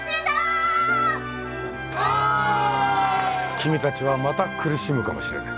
君たちはまた苦しむかもしれない。